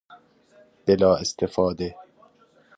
بلااستفاده